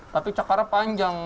tapi cakarnya panjang